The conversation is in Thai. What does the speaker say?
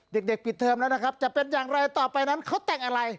เด็กปิดเทอมแล้วนะครับจะเป็นอย่างไรต่อไปนั้นเขาแต่งอะไร